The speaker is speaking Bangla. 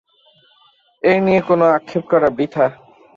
এই নিয়ে কোনো আক্ষেপ করা বৃথা।